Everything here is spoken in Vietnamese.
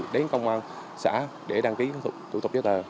tiến công an xã để đăng ký các thủ tục giấy tờ